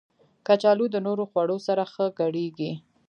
کچالو د نورو خوړو سره ښه ګډېږي